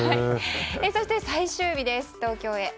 そして、最終日です、東京へ。